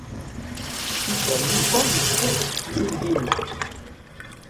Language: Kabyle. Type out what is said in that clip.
Cikkeɣ Yuba yeskerkes fell-i llinna.